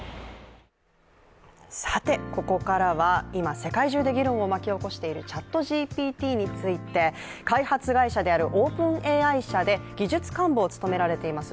さて、ここからは今、世界中で議論を巻き起こしているＣｈａｔＧＰＴについて開発会社であるＯｐｅｎＡＩ社で技術幹部を務められています